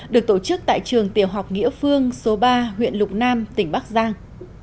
được tổ chức tại trường tiểu học nghĩa phương số ba huyện lục nam tỉnh bắc giang